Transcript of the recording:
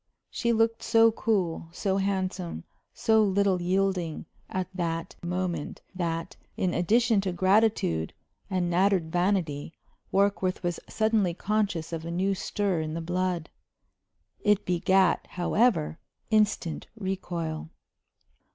She looked so cool, so handsome, so little yielding at that moment, that, in addition to gratitude and nattered vanity, Warkworth was suddenly conscious of a new stir in the blood. It begat, however, instant recoil.